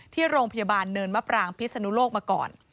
ที่โรงพยาบาลเนินมะปรางพิศนุโลกมาก่อน